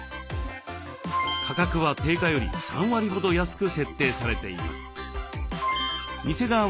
価格は定価より３割ほど安く設定されています。